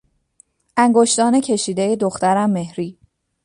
انگشتان کشیدهی دخترم مهری